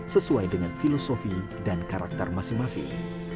sesuai dengan filosofi dan karakter masing masing